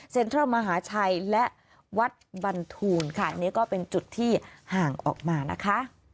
เทิลมหาชัยและวัดบรรทูลค่ะอันนี้ก็เป็นจุดที่ห่างออกมานะคะ